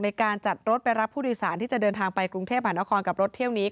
ในการจัดรถไปรับผู้โดยสารที่จะเดินทางไปกรุงเทพหานครกับรถเที่ยวนี้